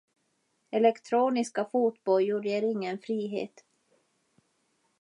Elektroniska fotbojor ger ingen frihet.